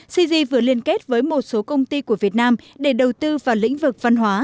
cg vừa liên kết với một số công ty của việt nam để đầu tư vào lĩnh vực văn hóa